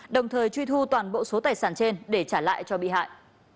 đồng thời truy thu toàn bộ số tài sản trên để trả lại cho bị hại